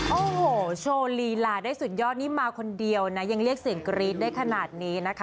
โอ้โหโชว์ลีลาได้สุดยอดนี่มาคนเดียวนะยังเรียกเสียงกรี๊ดได้ขนาดนี้นะคะ